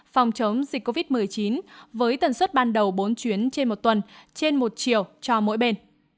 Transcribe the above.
phòng chống dịch covid một mươi chín với tần suất ban đầu bốn chuyến trên một tuần trên một chiều cho mỗi bên